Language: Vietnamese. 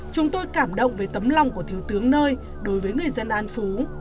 chúng tôi cảm động về tấm lòng của thiếu tướng nơi đối với người dân an phú